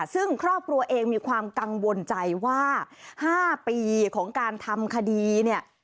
ซึ่งครอบครัวเองมีความกังวลใจว่า๕ปีของการทำคดีเนี่ย